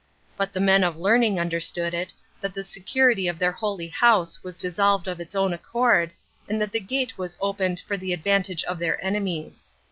But the men of learning understood it, that the security of their holy house was dissolved of its own accord, and that the gate was opened for the advantage of their enemies.